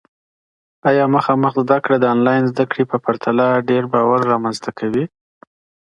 ایا مخامخ زده کړه د آنلاین زده کړي په پرتله ډیر باور رامنځته کوي؟